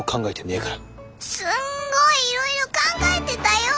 すんごいいろいろ考えてたよ！